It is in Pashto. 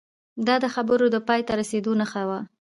دا د خبرو د پای ته رسیدو نښه وه